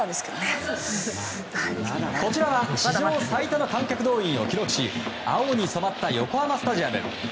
こちらは史上最多の観客動員を記録し青に染まった横浜スタジアム。